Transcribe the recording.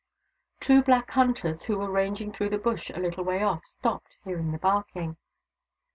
Two black hunters, who were ranging through the Bush a little way off, stopped, hearing the barking.